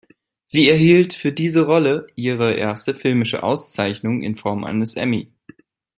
Sie erhielt für diese Rolle ihre erste filmische Auszeichnung in Form eines Emmy.